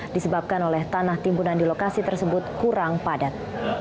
disebabkan oleh tanah timbunan di lokasi tersebut kurang padat